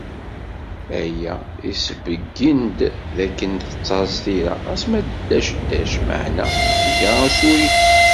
Aya isbeyyin-d dakken tettaẓ tira, ɣas ma ddac ddac, meεna tga asurif.